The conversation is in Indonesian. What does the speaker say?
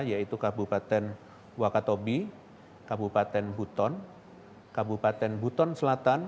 yaitu kabupaten wakatobi kabupaten buton kabupaten buton selatan